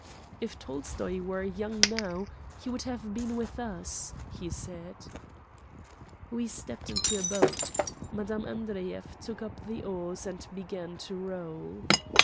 xii Preface "If Tolstoy were young now he would have been with us," he said. We stepped into a boat, Mme. Andreyev took up the oars and began to row.